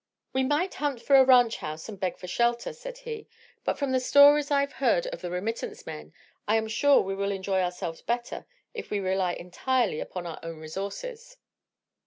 "We might hunt for a ranch house and beg for shelter," said he, "but from the stories I've heard of the remittance men I am sure we will enjoy ourselves better if we rely entirely upon our own resources."